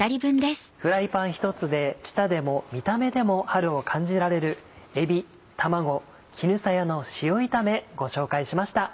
フライパン１つで舌でも見た目でも春を感じられる「えび卵絹さやの塩炒め」ご紹介しました。